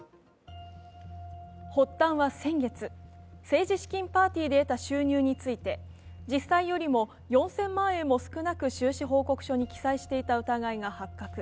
発端は先月、政治資金パーティーで得た収入について実際よりも４０００万円も少なく収支報告書に記載していた疑いが発覚。